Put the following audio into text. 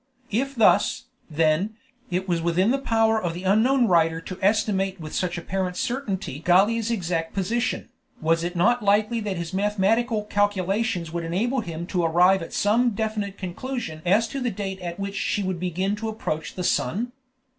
If thus, then, it was within the power of the unknown writer to estimate with such apparent certainty Gallia's exact position, was it not likely that his mathematical calculations would enable him to arrive at some definite conclusion as to the date at which she would begin again to approach the sun?